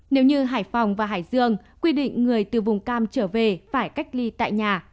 nếu như hải phòng và hải dương quy định người từ vùng cam trở về phải cách ly tại nhà